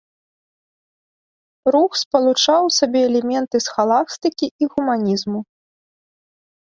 Рух спалучаў у сабе элементы схаластыкі і гуманізму.